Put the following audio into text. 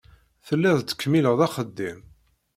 Tellid tettkemmiled axeddim.